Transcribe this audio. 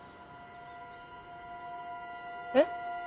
えっ？